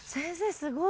すごい。